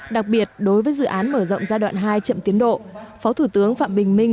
đặc biệt đối với dự án mở rộng giai đoạn hai chậm tiến độ phó thủ tướng phạm bình minh